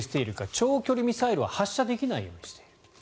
長距離ミサイルを発射できないようにしている。